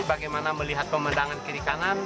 bagaimana melihat pemandangan kiri kanan